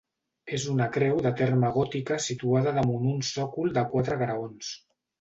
És una creu de terme gòtica situada damunt un sòcol de quatre graons.